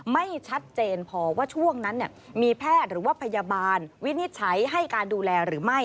ไม่ชัดเจนพอว่าช่วงนั้นมีแพทย์หรือว่าพยาบาลวินิจฉัยให้การดูแลหรือไม่